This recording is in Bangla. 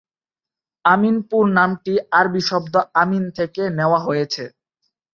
আমিনপুর নামটি আরবি শব্দ 'আমিন' থেকে নেওয়া হয়েছে।